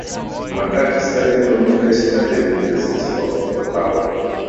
Makati studied Communication at the University of Ottawa.